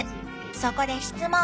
そこで質問。